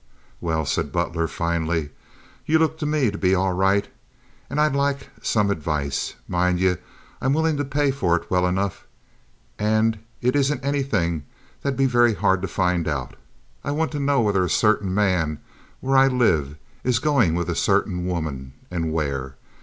"Well," said Butler, finally, "you look to me to be all right, and I'd like some advice. Mind ye, I'm willing to pay for it well enough; and it isn't anything that'll be very hard to find out. I want to know whether a certain man where I live is goin' with a certain woman, and where.